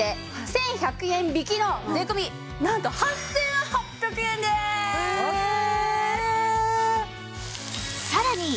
１１００円引きの税込なんと８８００円です！ええ！